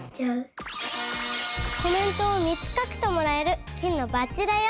コメントを３つ書くともらえる金のバッジだよ。